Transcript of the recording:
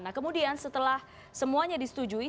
nah kemudian setelah semuanya disetujui